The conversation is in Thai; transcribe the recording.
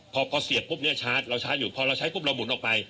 พอเสียบปุ๊บเนี่ยชาร์จเราชาร์จอยู่พอเราใช้ปุ๊บเราหมุนออกไป